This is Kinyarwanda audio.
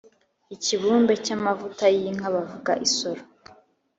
Ikibumbe cyamavuta y’inka bavuga isoro